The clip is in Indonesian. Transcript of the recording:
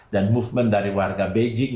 dan movement dari warga beijing